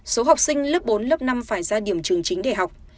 số học sinh lớp bốn lớp năm phải ra điểm trường chính để học